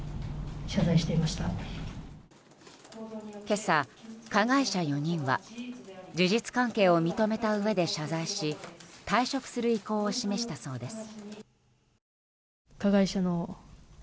今朝、加害者４人は事実関係を認めたうえで謝罪し退職する意向を示したそうです。